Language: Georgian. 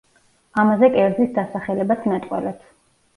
ამაზე კერძის დასახელებაც მეტყველებს.